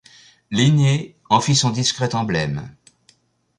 Linné en fit son discret emblème.